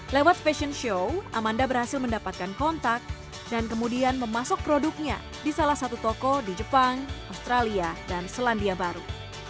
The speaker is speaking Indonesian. lewat fashion show amanda berhasil mendapatkan kontak dan kemudian memasuk produknya di salah satu toko di jepang australia dan selandia baru